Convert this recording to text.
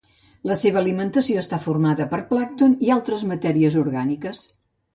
La seva alimentació està formada per plàncton i altres matèries orgàniques.